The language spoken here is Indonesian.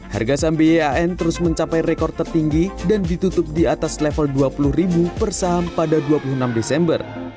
harga saham bean terus mencapai rekor tertinggi dan ditutup di atas level dua puluh per saham pada dua puluh enam desember